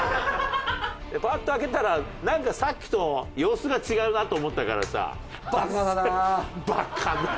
パッと開けたらさっきと様子が違うなと思ったからさ。